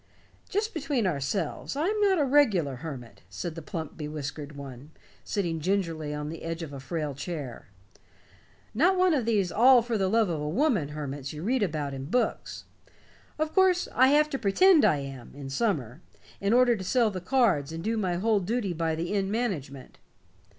"Just between ourselves, I'm not a regular hermit," said the plump bewhiskered one, sitting gingerly on the edge of a frail chair. "Not one of these 'all for love of a woman' hermits you read about in books. Of course, I have to pretend I am, in summer, in order to sell the cards and do my whole duty by the inn management.